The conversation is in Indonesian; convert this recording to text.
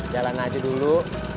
jalan aja dulu